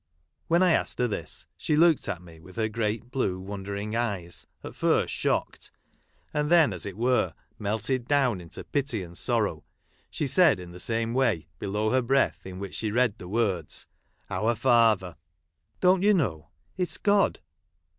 When I asked her this, she looked at me with her great blue wondering eyes, at first shocked ; and then, as it were, melted down into pity and sorrow, she said in the same way, below her breath, in which she read the words " Our Father," " Don't you know ? It is God."